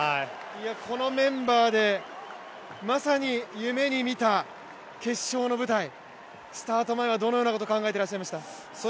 このメンバーでまさに夢に見た決勝の舞台、スタート前はどのようなことを考えていらっしゃいました？